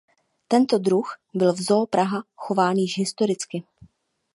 Tento druh byl v Zoo Praha chován již historicky.